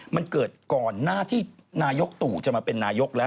มันเกิดก่อนหน้าที่นายกตู่จะมาเป็นนายกแล้ว